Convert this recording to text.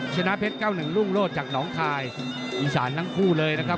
ชนะเพชร๙๑รุ่งโลศจากหนองคายอีสานทั้งคู่เลยนะครับ